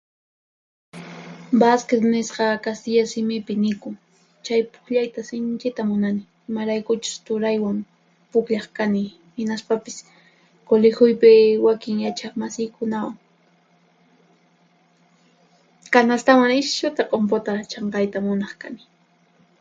Waskit nisqa kastilla simipi nikun, chay puqllayta sinchita munani, imaraykuchus turaywan puqllaq kani hinaspapis kulihuypi wakin yachaqmasiykunawan. Kanastaman nishuta qumputa chanqayta munaq kani.